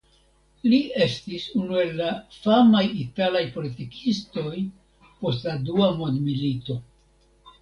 Li estis unu el la famaj italaj politikistoj post la Dua Mondmilito.